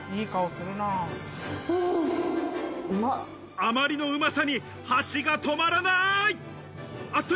あまりのうまさに箸が止まらない！